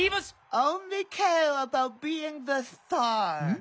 ん？